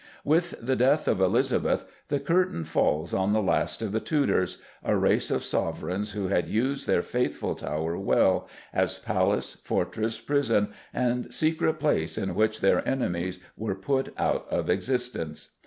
With the death of Elizabeth the curtain falls on the last of the Tudors a race of sovereigns who had used their faithful Tower well, as palace, fortress, prison, and secret place in which their enemies were put out of existence.